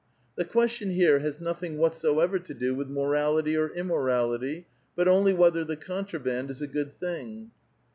The c^uestion here has nothing whatsoever to do with morality or immorality, but only whether the contraband is a good i;hiDg.